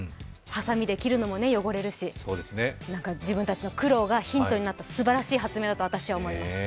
はさみで切るのも汚れるし、自分たちの苦労がヒントになった素晴らしい発明だと思います。